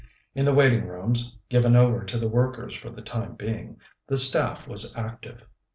In the waiting rooms, given over to the workers for the time being, the staff was active.